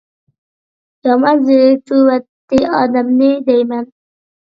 يامان زېرىكتۈرۈۋەتتى ئادەمنى دەيمەن.